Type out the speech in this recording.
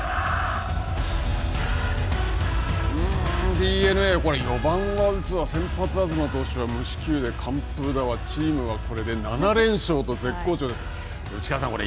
ＤｅＮＡ、４番は打つわ先発は無四球で完封だわ、チームはこれで７連勝と絶好調です。